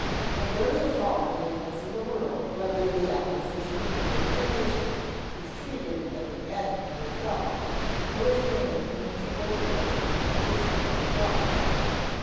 But there is all the difference in the world whether the acquisition of information is treated as an end in itself, or is made an integral portion of the training of thought.